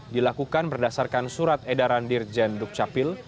dilakukan berdasarkan surat edaran dirjen dukcapil